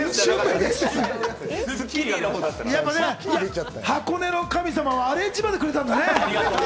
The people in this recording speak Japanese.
でし箱根の神様はアレンジまでくれたんだね。